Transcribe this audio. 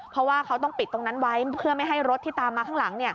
เพราะว่าเขาต้องปิดตรงนั้นไว้เพื่อไม่ให้รถที่ตามมาข้างหลัง